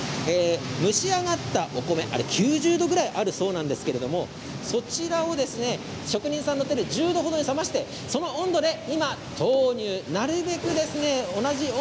蒸し上がったお米９０度ぐらいあるそうなんですけれどもそちらを職人さんの手で１０度程冷ましてその温度で今投入。